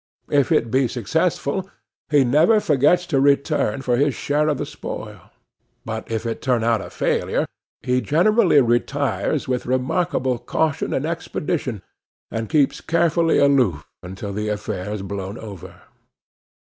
If it be successful, he never forgets to return for his share of the spoil; but if it turn out a failure, he generally retires with remarkable caution and expedition, and keeps carefully aloof until the affair has blown over.